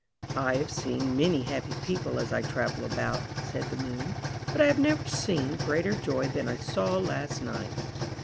'T have seen many happy people as I travel about," said the Moon, '*but I have never seen greater joy than I saw last night.